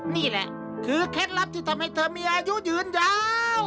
นี่แหละคือเคล็ดลับที่ทำให้เธอมีอายุยืนยาว